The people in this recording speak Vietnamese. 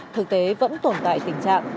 thực tế vẫn tồn tại tình trạng